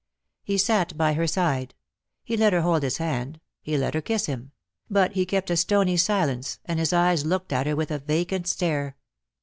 He sat by her side; he let her hold his hand; he let her kiss him; but he kept a stony silence, and his eyes looked at her with a vacant stare.